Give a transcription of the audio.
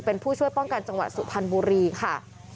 เป็นผู้ช่วยป้องกันจังหวัดสุพรรณบุรีค่ะ